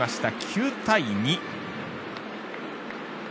９対２。